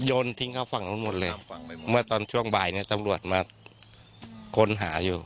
ทิ้งเข้าฝั่งนู้นหมดเลยเมื่อตอนช่วงบ่ายเนี่ยตำรวจมาค้นหาอยู่